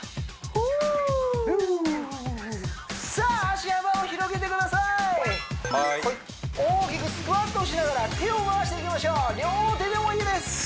さあ足幅を広げてください大きくスクワットしながら手を回していきましょう両手でもいいです